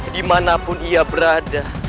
dimanapun ia berada